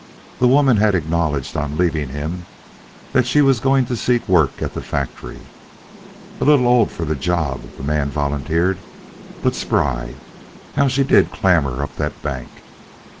The woman had acknowledged, on leaving him, that she was going to seek work at the factory. "A little old for the job," the man volunteered, "but spry. How she did clamber up that bank!"